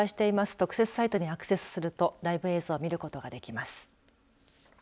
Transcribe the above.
特設サイトにアクセスするとライブ映像を見ることができます。